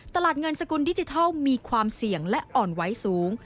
ตลาดเงินสกุลดิจิทัลมีความเสี่ยงและอ่อนไหวสูง